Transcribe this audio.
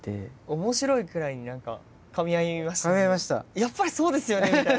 やっぱりそうですよねみたいな。